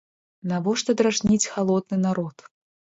Навошта дражніць галодны народ?